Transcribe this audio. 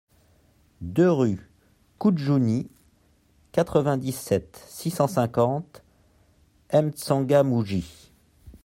deux rue Koudjouni, quatre-vingt-dix-sept, six cent cinquante, M'Tsangamouji